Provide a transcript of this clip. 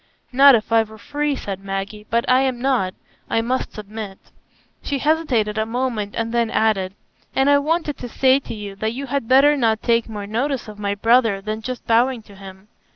"Not if I were free," said Maggie; "but I am not, I must submit." She hesitated a moment, and then added, "And I wanted to say to you, that you had better not take more notice of my brother than just bowing to him.